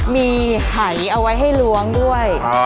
มีหายเอาไว้ให้ล้วงด้วย